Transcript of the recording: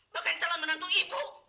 bahkan calon menantu ibu